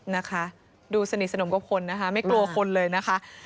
นะคะดูสนิทสนมกับคนนะคะไม่กลัวคนเลยนะคะ